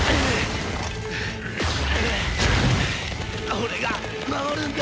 俺が守るんだ！